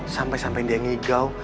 sampai sampai dia ngigau